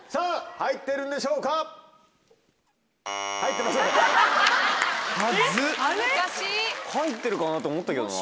入ってるかなと思ったけどな。